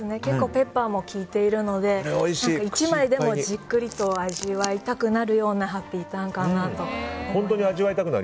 ペッパーも効いているので１枚でもじっくりと味わいたくなるハッピーターンかなと。